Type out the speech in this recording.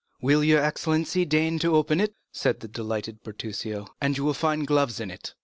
"Will your excellency deign to open it?" said the delighted Bertuccio, "and you will find gloves in it."